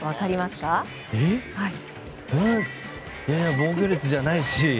防御率じゃないし。